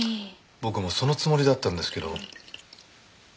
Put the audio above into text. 僕もそのつもりだったんですけどこの人がね。